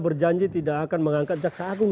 berjanji tidak akan mengangkat jaksa agung